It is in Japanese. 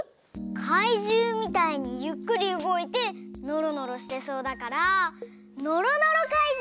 かいじゅうみたいにゆっくりうごいてのろのろしてそうだからのろのろかいじゅう！